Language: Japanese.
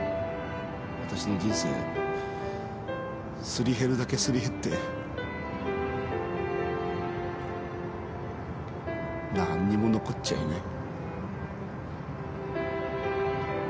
わたしの人生すり減るだけすり減ってなあんにも残っちゃいない。